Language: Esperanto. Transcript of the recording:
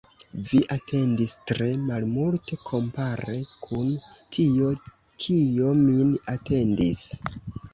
Vi atendis tre malmulte, kompare kun tio, kio min atendis.